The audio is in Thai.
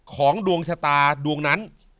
ของดวงชะตาดวงนั้น